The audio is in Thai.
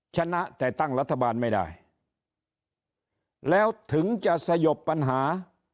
ชนะแต่ตั้งรัฐบาลไม่ได้แล้วถึงจะสยบปัญหา